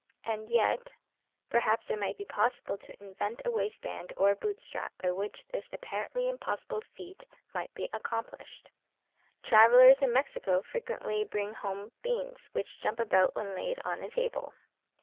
And yet, perhaps, it might be possible to invent a waist band or a boot strap by which this apparently impossible feat might be accomplished ! Travelers in Mexico frequently bring home beans which jump about when laid on a table.